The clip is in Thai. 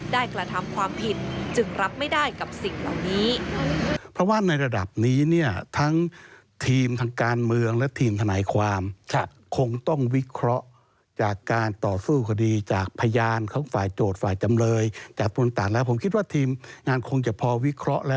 กระทำความผิดจึงรับไม่ได้กับสิ่งเหล่านี้